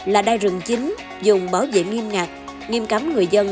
là đai rừng chính dùng bảo vệ nghiêm ngặt nghiêm cấm người dân